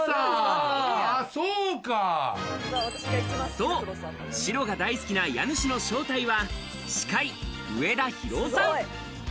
そう、白が大好きな家主の正体は歯科医・上田裕大さん。